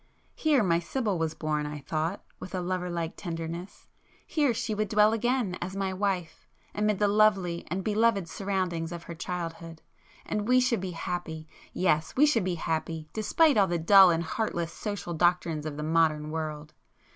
Here my Sibyl was born, I thought, with a lover like tenderness,—here she would dwell again as my wife, [p 215] amid the lovely and beloved surroundings of her childhood,—and we should be happy—yes, we should be happy, despite all the dull and heartless social doctrines of the modern world.